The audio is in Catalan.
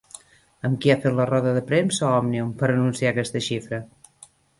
Amb qui ha fet la roda de premsa Òmnium per anunciar aquesta xifra?